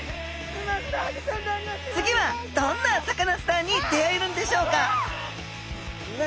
つぎはどんなサカナスターに出会えるんでしょうか？